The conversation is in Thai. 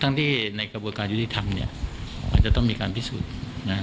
ตั้งที่ในกระบวนการยุทธิธรรมมันจะต้องมีการพิสูจน์